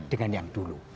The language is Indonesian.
dengan yang dulu